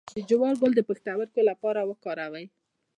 د جوار ګل د پښتورګو لپاره وکاروئ